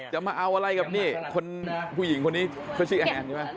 มาเอาอะไรกับนี่คนผู้หญิงคนนี้เขาชื่อแอนใช่ไหม